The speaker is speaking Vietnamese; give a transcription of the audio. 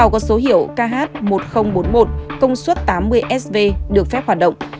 chú trà trấn văn entwicklung